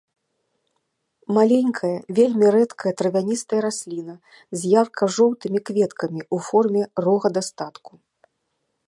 Маленькая, вельмі рэдкая травяністая расліна з ярка-жоўтымі кветкамі ў форме рога дастатку.